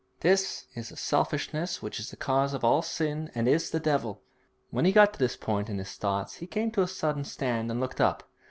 This is the selfishness which is the cause of all sin and is the devil.' When he got to this point in his thoughts he came to a sudden stand and looked up.